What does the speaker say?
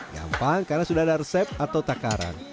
gampang karena sudah ada resep atau takaran